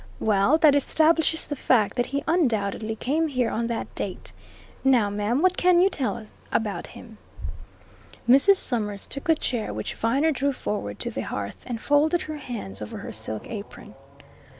Well, that establishes the fact that he undoubtedly came here on that date. Now, ma'am, what can you tell about him?" Mrs. Summers took the chair which Viner drew forward to the hearth and folded her hands over her silk apron.